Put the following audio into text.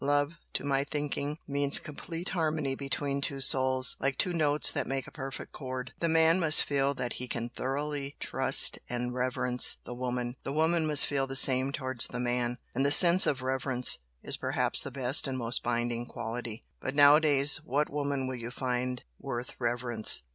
Love, to my thinking, means complete harmony between two souls like two notes that make a perfect chord. The man must feel that he can thoroughly trust and reverence the woman, the woman must feel the same towards the man. And the sense of 'reverence' is perhaps the best and most binding quality. But nowadays what woman will you find worth reverence?